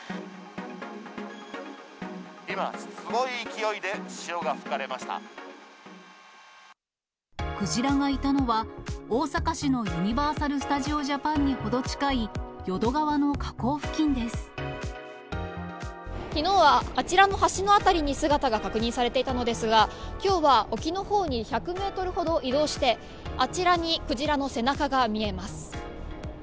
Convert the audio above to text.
今、すごい勢いで潮が吹かれましクジラがいたのは、大阪市のユニバーサル・スタジオ・ジャパンに程近い淀川の河口付きのうはあちらの橋の辺りに姿が確認されていたのですが、きょうは、沖のほうに１００メートルほど移動して、あちらにクジラの背中が見えます。